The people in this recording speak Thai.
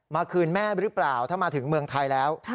คืนแม่หรือเปล่าถ้ามาถึงเมืองไทยแล้ว